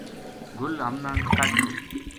گل ہمناں کڈھ چھُڑ